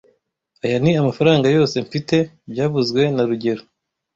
Aya ni amafaranga yose mfite byavuzwe na rugero